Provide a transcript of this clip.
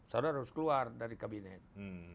saudara harus keluar dari kabinet